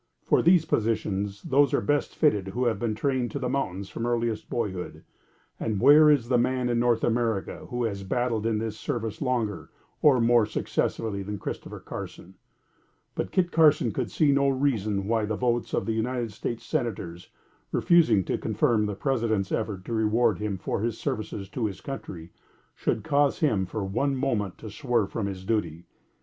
For these positions those are best fitted who have been trained to the mountains from earliest boyhood, and where is the man in North America who has battled in this service longer or more successfully than Christopher Carson? But Kit Carson could see no reason why the votes of the United States Senators, refusing to confirm the President's effort to reward him for his services to his country, should cause him for one moment to swerve from his duty.